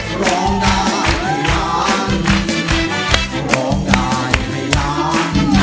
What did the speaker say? คุณกัมเจ์วินทร์ร้องได้ในเพลงที่๒